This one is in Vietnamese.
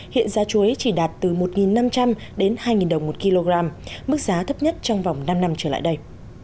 hiện giá chuối chỉ đạt từ một năm trăm linh đến hai đồng một kg mức giá thấp nhất trong vòng năm năm trở lại đây